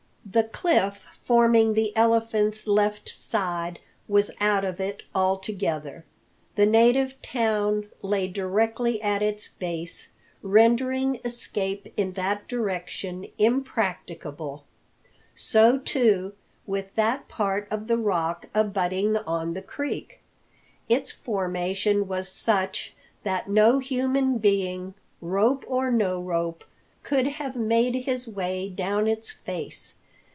The cliff forming the Elephant's left side was out of it altogether. The native town lay directly at its base, rendering escape in that direction impracticable. So, too, with that part of the Rock abutting on the creek; its formation was such that no human being, rope or no rope, could have made his way down its face.